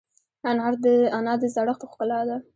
انا د زړښت ښکلا ده